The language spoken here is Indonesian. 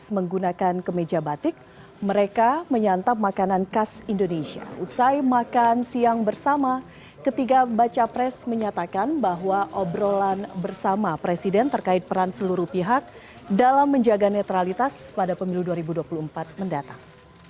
menyatakan bahwa obrolan bersama presiden terkait peran seluruh pihak dalam menjaga netralitas pada pemilu dua ribu dua puluh empat mendatang